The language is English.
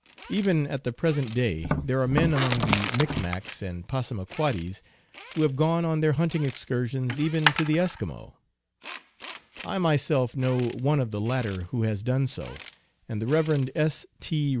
Even at the present day there are men among the Micmacs and Passamaquod dies who have gone on their hunting excursions even to the Eskimo. I myself know one of the latter who has done so, and the Rev. S. T.